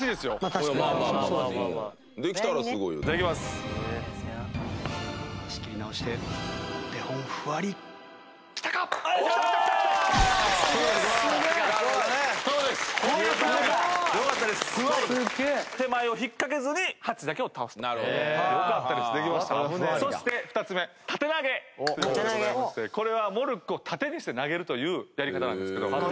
縦投げという事でございましてこれはモルックを縦にして投げるというやり方なんですけど。